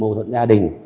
mâu thuẫn gia đình